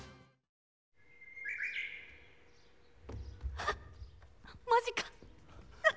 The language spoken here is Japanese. はっマジか。